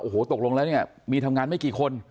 โอ้โหตกลงแล้วเนี่ยมีทำงานไม่กี่คน